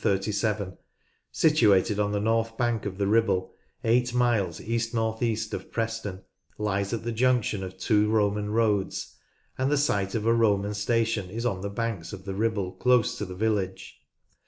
Ribchester (1237), situated on the north bank of the Ribble, eight miles east north east of Preston, lies at the junction of two Roman roads, and the site of a Roman station is on the banks of the Ribble close to the village.